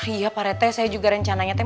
iya pak rete saya juga rencananya